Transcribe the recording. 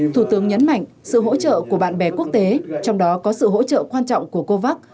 thủ tướng nhấn mạnh sự hỗ trợ của bạn bè quốc tế trong đó có sự hỗ trợ quan trọng của covax